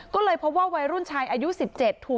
ก็เลยเพราะว่าวัยรุ่นชายอายุ๑๗